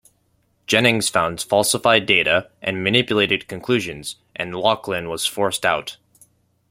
Jennings found falsified data and manipulated conclusions, and Laughlin was forced out.